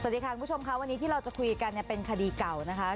สวัสดีค่ะคุณผู้ชมค่ะวันนี้ที่เราจะคุยกันเนี่ยเป็นคดีเก่านะคะ